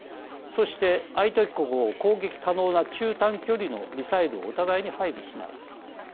そして相手国を攻撃可能な中短距離のミサイルをお互いに配備しない。